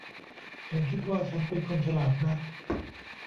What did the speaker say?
ฉันคิดว่าฉันเป็นคนฉลาดนะ